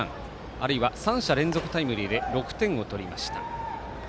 あるいは３者連続タイムリーで６点を取りました。